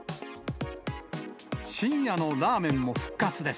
深夜のラーメンも復活です。